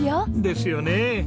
ですよねえ。